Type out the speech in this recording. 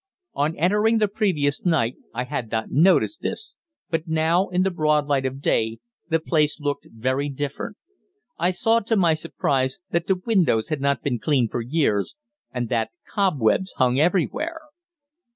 On entering the previous night I had not noticed this, but now, in the broad light of day, the place looked very different. I saw, to my surprise, that the windows had not been cleaned for years, and that cobwebs hung everywhere.